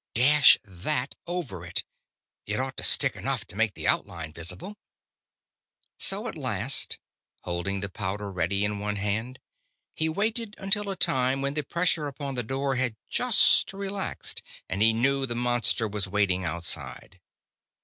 Dash that over it! It ought to stick enough to make the outline visible. So, at last, holding the powder ready in one hand, he waited until a time when the pressure upon the door had just relaxed, and he knew the monster was waiting outside.